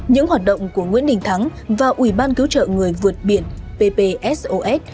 những hoạt động của nguyễn đình thắng và ủy ban cứu trợ người vượt biển ppsos